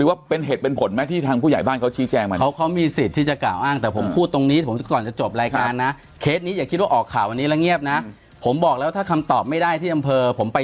แล้วพอถึงบ้านผู้ใหญ่บ้านปุ๊บเขาก็เลยบอกว่า